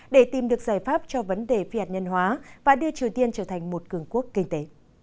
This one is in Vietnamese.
để tìm được giải pháp cho vấn đề phi hạt nhân hóa và đưa triều tiên trở thành một cường quốc kinh tế